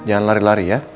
jangan lari lari ya